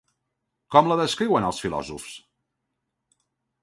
Com la descriuen els filòsofs?